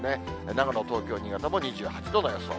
長野、東京、新潟も２８度の予想。